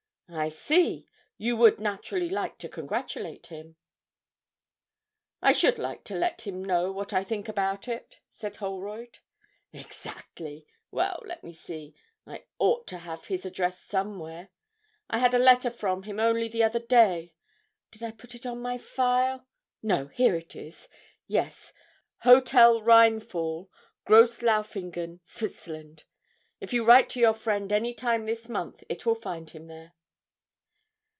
'I see you would naturally like to congratulate him!' 'I should like to let him know what I think about it,' said Holroyd. 'Exactly well, let me see, I ought to have his address somewhere. I had a letter from him only the other day did I put it on my file? no, here it is yes. "Hotel Rheinfall, Gross Laufingen, Switzerland," if you write to your friend any time this month, it will find him there.'